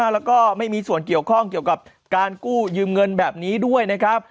แล้วก็ไม่มีส่วนเกี่ยวข้องเกี่ยวกับการกู้ยืมเงินแบบนี้ด้วยนะครับ